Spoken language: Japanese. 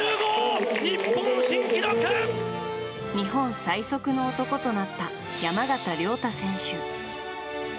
日本最速の男となった山縣亮太選手。